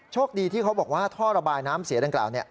โชคดีที่เขาบอกว่าท่อระบายน้ำเสียดังกล่าว